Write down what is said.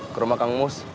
ke rumah kang mus